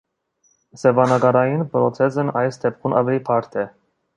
Սևանկարային պրոցեսն այս դեպքում ավելի բարդ է։